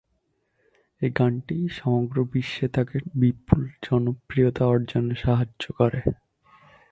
এই গানটি সমগ্র বিশ্বে তাকে বিপুল জনপ্রিয়তা অর্জনে সাহায্য করে।